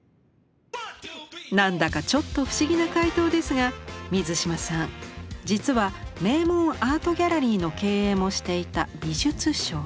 何だかちょっと不思議な回答ですが水嶋さん実は名門アートギャラリーの経営もしていた美術商。